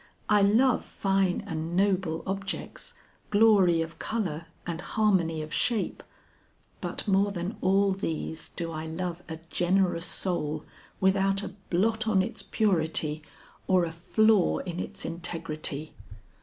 I love fine and noble objects, glory of color and harmony of shape, but more than all these do I love a generous soul without a blot on its purity, or a flaw in its integrity."